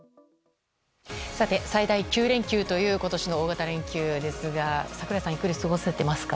最大９連休という今年の大型連休ですが櫻井さんゆっくり過ごせていますか？